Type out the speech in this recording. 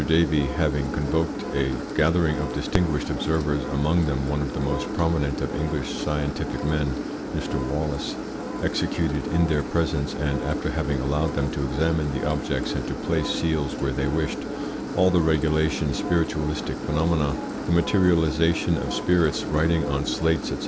Davey, having convoked a gathering of distinguished observers, among them one of the most prominent of English scientific men, Mr. Wallace, executed in their presence, and after having allowed them to examine the objects and to place seals where they wished, all the regulation spiritualistic phenomena, the materialisation of spirits, writing on slates, &c.